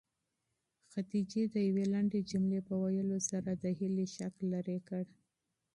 خدیجې د یوې لنډې جملې په ویلو سره د هیلې شک لیرې کړ.